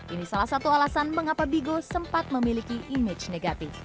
ini salah satu alasan mengapa bigo sempat memiliki image negatif